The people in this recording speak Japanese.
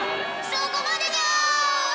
そこまでじゃ！